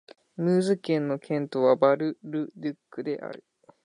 ムーズ県の県都はバル＝ル＝デュックである